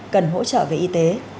cần hỗ trợ về y tế